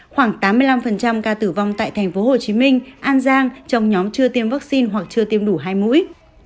khoảng tám mươi năm ca tử vong tại tp hcm an giang trong nhóm chưa tiêm vaccine hoặc chưa tiêm đủ hai mũi